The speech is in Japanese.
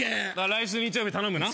来週日曜日頼むな。